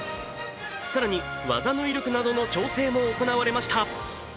更に、技の威力などの調整も行われました。